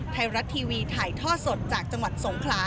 ไทยรัฐทีวีถ่ายท่อสดจากจังหวัดสงขลา